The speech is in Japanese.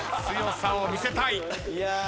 強さを見せたい。